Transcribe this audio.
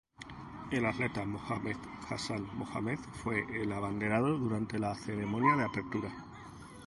El atleta Mohamed Hassan Mohamed fue el abanderado durante la ceremonia de apertura.